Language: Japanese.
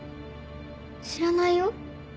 知らないよ。